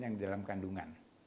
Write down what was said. yang di dalam kandungan